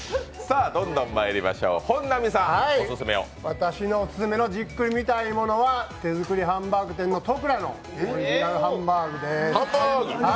私のオススメのじっくり見たいものは手作りハンバーグの店とくらのオリジナルハンバーグでーす。